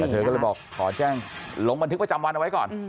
เธอก็เลยบอกขอแจ้งลงบันทึกประจำวันเอาไว้ก่อน